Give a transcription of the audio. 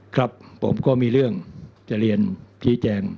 ครับผมก็มีเรื่องจะเรียนชี้แจง